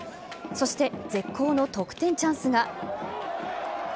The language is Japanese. そして、絶好の得点チャンスが。